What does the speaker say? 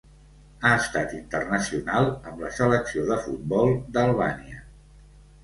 Ha estat internacional amb la Selecció de futbol d'Albània.